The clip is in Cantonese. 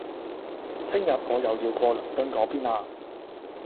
聽日我又要過倫敦個邊喇